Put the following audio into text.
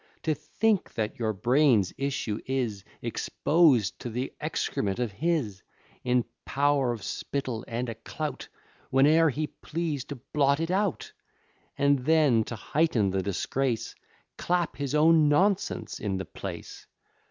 To think that your brains' issue is Exposed to th'excrement of his, In pow'r of spittle and a clout, Whene'er he please, to blot it out; And then, to heighten the disgrace, Clap his own nonsense in the place.